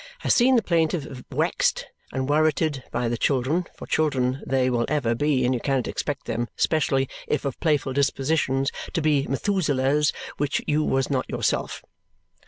Has seen the plaintive wexed and worrited by the children (for children they will ever be and you cannot expect them specially if of playful dispositions to be Methoozellers which you was not yourself).